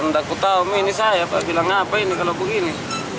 dan aku tahu ini saya bilang apa ini kalau begini